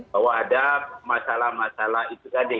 bahwa ada masalah masalah itu tadi